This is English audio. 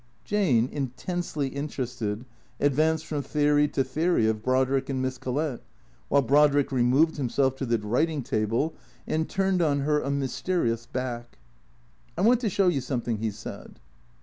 Jane, intensely interested, advanced from theory to theory of Brodrick and Miss Collett while Brodrick removed himself to the writing table, and turned on her a mysterious back. " I want to show you something," he said.